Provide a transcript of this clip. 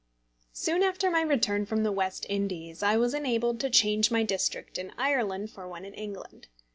Soon after my return from the West Indies I was enabled to change my district in Ireland for one in England.